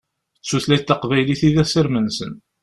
D tutlayt taqbaylit i d asirem-nsen.